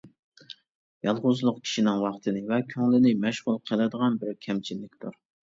يالغۇزلۇق كىشىنىڭ ۋاقتىنى ۋە كۆڭلىنى مەشغۇل قىلىدىغان بىر كەمچىللىكتۇر.